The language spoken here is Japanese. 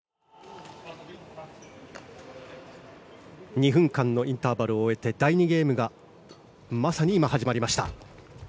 ２分間のインターバルを終えて第２ゲームがまさに今、始まりました。